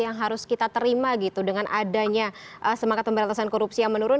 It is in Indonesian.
yang harus kita terima gitu dengan adanya semangat pemberantasan korupsi yang menurun